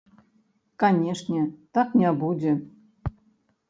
Канешне, так не будзе.